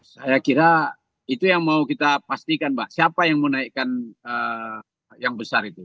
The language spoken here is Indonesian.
saya kira itu yang mau kita pastikan mbak siapa yang menaikkan yang besar itu